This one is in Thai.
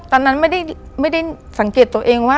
ตอนนั้นไม่ได้สังเกตตัวเองว่า